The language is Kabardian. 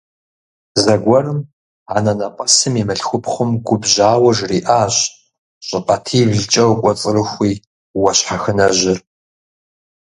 Зэгуэрым анэнэпӀэсым и мылъхупхъум губжьауэ жриӀащ: – ЩӀыкъатиблкӀэ укӀуэцӀрыхуи уэ щхьэхынэжьыр!